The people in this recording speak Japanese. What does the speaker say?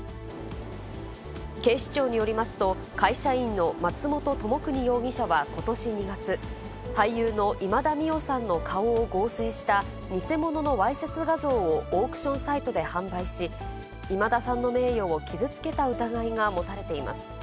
警視庁によりますと、会社員の松本知邦容疑者はことし２月、俳優の今田美桜さんの顔を合成した偽物のわいせつ画像をオークションサイトで販売し、今田さんの名誉を傷つけた疑いが持たれています。